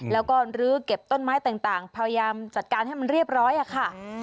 แล้วก็ลื้อเก็บต้นไม้ต่างพยายามจัดการให้มันเรียบร้อยอะค่ะ